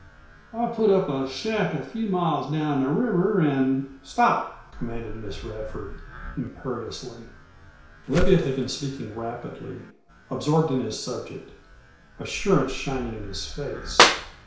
I'll put up a shack a few miles down the river an' " "Stop!" commanded Miss Radford imperiously. Leviatt had been speaking rapidly, absorbed in his subject, assurance shining in his face.